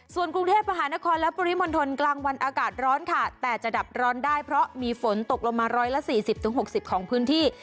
ส่วนกรุงเทพมหานครและปริมณฐนกลางวันอากาศร้อนค่ะแต่จะดับร้อนได้เพราะมีฝนตกลงมาร้อยละสี่สิบถึงหกสิบของพื้นที่